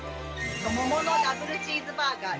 桃のダブルチーズバーガー！